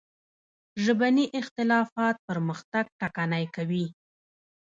ژبني اختلافات پرمختګ ټکنی کوي.